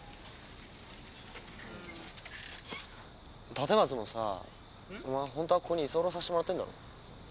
立松もさお前ホントはここに居候させてもらってんだろ？